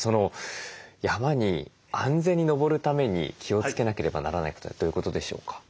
山に安全に登るために気をつけなければならないことはどういうことでしょうか？